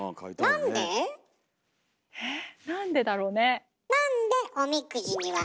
えなんでだろうね？